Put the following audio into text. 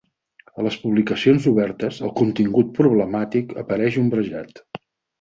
A les publicacions obertes, el contingut problemàtic apareix ombrejat.